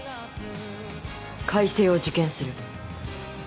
開成を受験する。